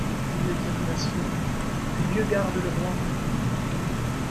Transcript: Il ne dit rien, sinon : que Dieu garde le roi !